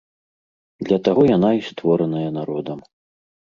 Для таго яна і створаная народам.